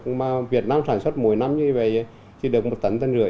nhưng mà việt nam sản xuất mỗi năm như vậy thì được một tấn tân rưỡi